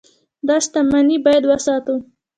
دا شتمني باید وساتو.